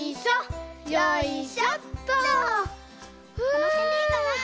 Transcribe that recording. このへんでいいかな？